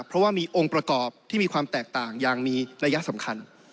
เพราะว่ามีองค์ประกอบที่มีความแตกต่างอย่างมีระยะสำคัญ